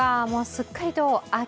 すっかりと秋、